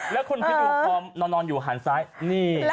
และคุณผิดดูความนอนอยู่หันซ้ายนี่